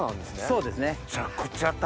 そうですね。